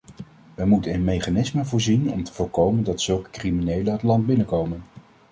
Wij moeten in mechanismen voorzien om te voorkomen dat zulke criminelen het land binnenkomen.